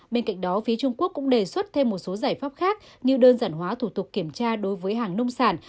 bên cạnh đó phía trung quốc cũng đề xuất thêm một số giải pháp khác như đơn giản hóa thủ tục kiểm tra đối với hàng nông sản